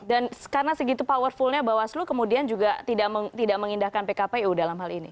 dan karena segitu powerfulnya bawasluh kemudian juga tidak mengindahkan pkpu dalam hal ini